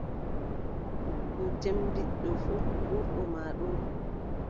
No cemmbiɗɗo fuu, ɓurɗo ma ɗon.